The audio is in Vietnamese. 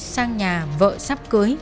sang nhà vợ sắp cưới